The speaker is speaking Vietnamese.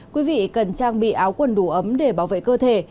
quý vị cần trang bị áo quần đủ ấm để bảo vệ cơ thể